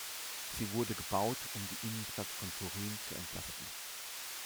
Sie wurde gebaut, um die Innenstadt von Turin zu entlasten.